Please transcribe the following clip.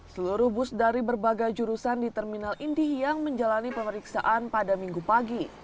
seluruh bus dari berbagai jurusan di terminal indih yang menjalani pemeriksaan pada minggu pagi